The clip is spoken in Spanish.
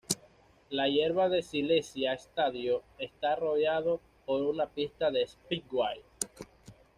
La hierba de Silesia estadio está rodeado por una pista de Speedway.